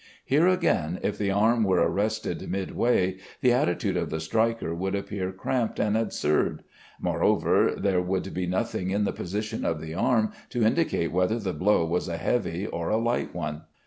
Here, again, if the arm were arrested midway, the attitude of the striker would appear cramped and absurd. Moreover, there would be nothing in the position of the arm to indicate whether the blow was a heavy or a light one.